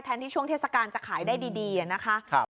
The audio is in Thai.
ที่ช่วงเทศกาลจะขายได้ดีนะคะ